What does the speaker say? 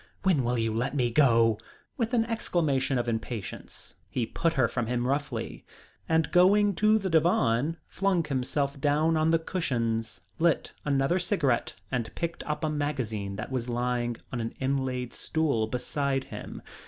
"When will you let me go?" With an exclamation of impatience he put her from him roughly, and going to the divan flung himself down on the cushions, lit another cigarette and picked up a magazine that was lying on an inlaid stool beside him.